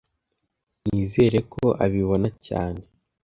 Nizere ko abibona cyane